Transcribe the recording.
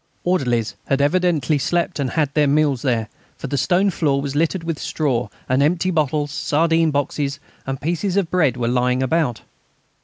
Orderlies had evidently slept and had their meals there, for the stone floor was littered with straw, and empty bottles, sardine boxes, and pieces of bread were lying about.